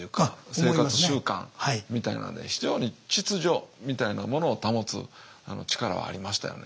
生活習慣みたいなんで非常に秩序みたいなものを保つ力はありましたよね。